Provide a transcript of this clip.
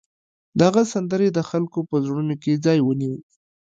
د هغه سندرې د خلکو په زړونو کې ځای ونیو